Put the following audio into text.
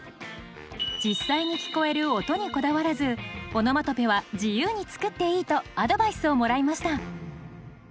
実際に聞こえる音にこだわらずオノマトペは自由に作っていいとアドバイスをもらいました。